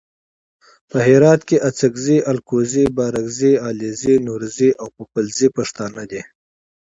په هرات کې اڅګزي الکوزي بارګزي علیزي نورزي او پوپلزي پښتانه دي.